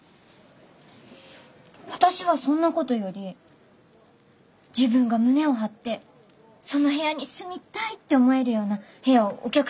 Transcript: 私はそんなことより自分が胸を張ってその部屋に住みたいって思えるような部屋をお客さんに紹介したいです。